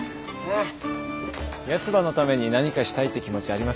ヤスばのために何かしたいって気持ちありますし。